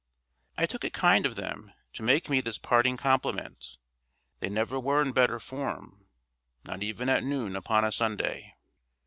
I took it kind of them to make me this parting compliment; they never were in better form, not even at noon upon a Sunday.